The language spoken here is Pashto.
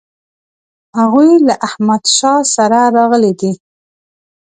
هغوی له احمدشاه سره راغلي دي.